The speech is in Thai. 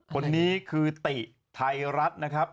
คนนี้คือติไทยรัฐนะครับ